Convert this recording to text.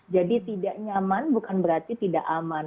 jadi tidak nyaman bukan berarti tidak aman